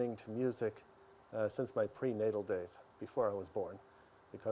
untuk memimpin hidup saya yang berjaya dan berhasil